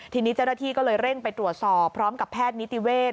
ทีนี้เจ้าหน้าที่ก็เลยเร่งไปตรวจสอบพร้อมกับแพทย์นิติเวศ